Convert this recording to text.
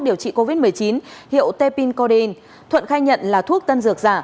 điều trị covid một mươi chín hiệu tepin cordain thuận khai nhận là thuốc tân dược giả